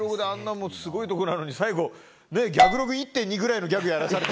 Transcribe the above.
もうスゴいとこなのに最後ギャグログ１．２ぐらいのギャグやらされて。